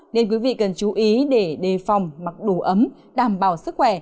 nên quý vị cần chú ý để đề phòng mặc đủ ấm đảm bảo sức khỏe